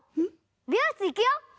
びようしついくよ！